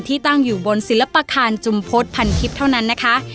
ตั้งอยู่บนศิลปคารจุมพฤษพันทิพย์เท่านั้นนะคะ